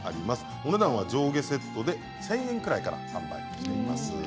お値段は上下セットで１０００円くらいから販売しています。